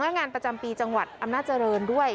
งานประจำปีจังหวัดอำนาจริงด้วย